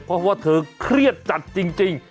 เพราะว่าเธอเครียดจัดจริง